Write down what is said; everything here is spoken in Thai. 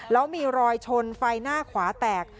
แล้วมีรอยชนไฟหน้าขวาแตก